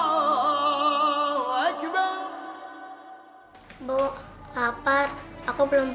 eh siapa sudah duduk disini